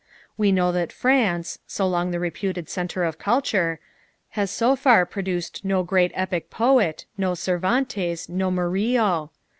We know that France so long the reputed center of culture has so far produced no great epic poet, no Cervantes, no Murillo.